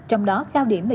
trong đó cao điểm là